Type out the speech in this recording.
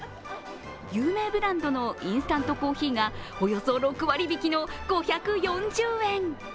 有名ブランドのインスタントコーヒーがおよそ６割引の５４０円。